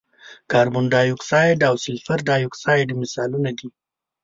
کاربن ډای اکسایډ او سلفر ډای اکساید مثالونه دي.